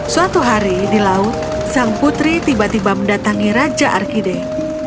suatu hari di laut sang putri tiba tiba mendatangi raja arkideh